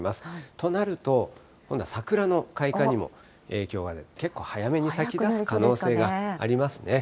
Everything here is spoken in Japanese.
となると、今度は桜の開花にも影響が、結構早めに咲きだす可能性がありますね。